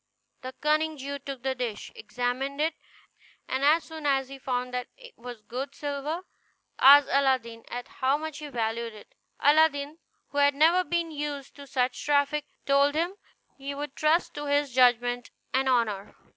The cunning Jew took the dish, examined it, and as soon as he found that it was good silver asked Aladdin at how much he valued it. Aladdin, who had never been used to such traffic, told him he would trust to his judgment and honor.